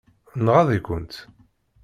Nɣaḍ-ikent?